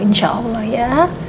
insya allah ya